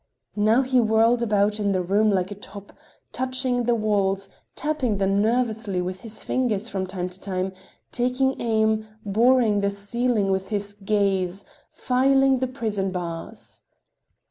Now he whirled about in the room like a top, touching the walls, tapping them nervously with his fingers from time to time, taking aim, boring the ceiling with his gaze, filing the prison bars.